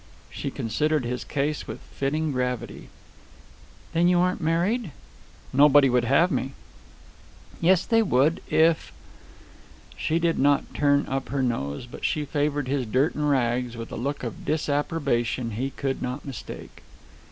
She considered his case with fitting gravity. "Then you aren't married?" "Nobody would have me." "Yes, they would, if ..." She did not turn up her nose, but she favored his dirt and rags with a look of disapprobation he could not mistake.